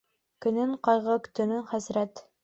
Көнөн ҡайғы, төнөн хәсрәт.